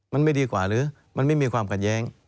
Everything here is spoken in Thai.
มันไม่ดีกว่าหรือมันไม่มีความขัดแย้ง